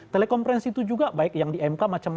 telekomprehensi itu juga baik yang di mk